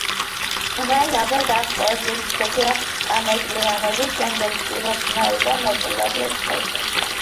ყველაზე გავრცელებული ჯგუფია კანეკლიანები, შემდეგ კიბოსნაირნი და ნაწილობრივ თევზები.